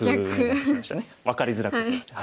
分かりづらくてすいません。